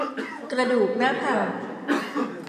กระดูกหน้าผาก